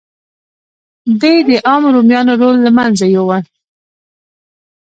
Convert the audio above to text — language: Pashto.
دې د عامو رومیانو رول له منځه یووړ